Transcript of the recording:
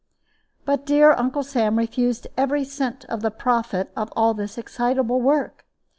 But dear Uncle Sam refused every cent of the profit of all this excitable work.